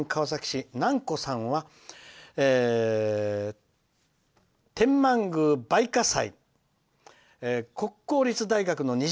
神奈川県川崎市、なんこさんは天満宮梅花祭。